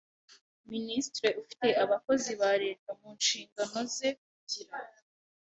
Minisitiri ufite abakozi ba Leta mu nshingano ze kugira